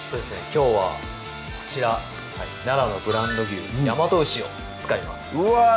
きょうはこちら奈良のブランド牛・大和牛を使いますうわぁ！